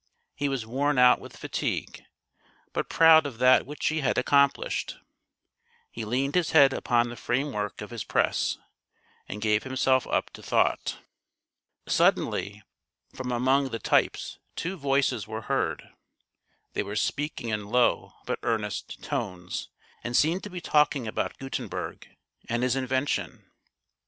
He was worn out with fatigue, but proud of that which he had accomplished. He leaned his head upon the frame work of his press, and gave himself up to thought. Suddenly, from among the t3^es two voices were heard. They were speaking in low but earnest tones, and seemed to be talking about Gutenberg and his invention.